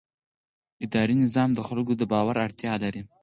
اداري نظام د خلکو د باور اړتیا لري.